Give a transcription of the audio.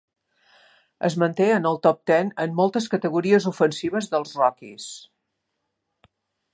Es manté en el top ten en moltes categories ofensives dels Rockies.